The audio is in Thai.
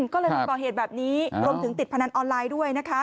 ก็เลยมาก่อเหตุแบบนี้รวมถึงติดพนันออนไลน์ด้วยนะคะ